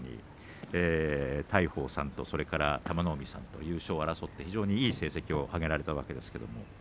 大鵬さんと玉の海さんと優勝争いをして非常にいい成績を挙げられたわけです。